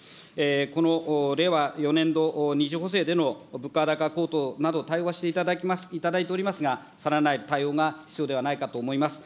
この令和４年度２次補正での物価高高騰など、対応はしていただいておりますが、さらなる対応が必要ではないかと思います。